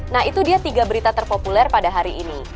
nah itu dia tiga berita terpopuler pada hari ini